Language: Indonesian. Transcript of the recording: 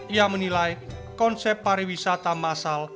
ia menilai konsep pariwisata masal